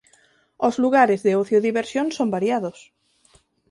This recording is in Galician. Os lugares de ocio e diversión son variados.